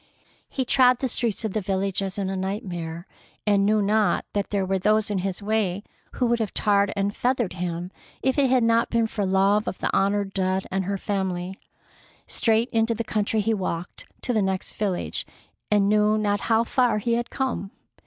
He trod the streets of the village as in a nightmare, and knew not that there were those in his way who would have tarred and feathered him if it had not been for love of the honored dead and her family. Straight into the country he walked, to the next village, and knew not how far he had come.